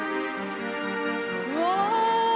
うわ！